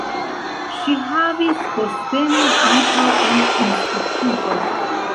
Ŝi havis postenon ankaŭ en instituto.